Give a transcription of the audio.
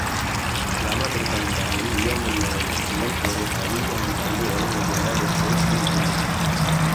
Selama bertahun-tahun, ia menayangkan film sore hari yang dipandu oleh legenda Detroit, Bill Kennedy.